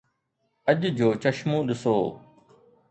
اڄ جو چشمو ڏسو.